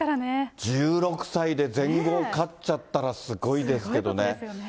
１６歳で全豪勝っちゃったら、すごいですけどね。